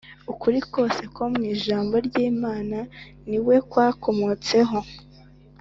ukuri kose ko mu ijambo ry’imana ni we kwakomotseho